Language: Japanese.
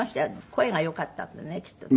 声が良かったんだねきっとね。